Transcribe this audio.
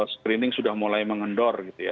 screening sudah mulai mengendor